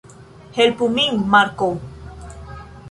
Helpu min, Marko!